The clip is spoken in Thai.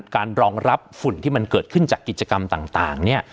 การรองรับฝุ่นที่มันเกิดขึ้นจากกิจกรรมต่างเนี่ย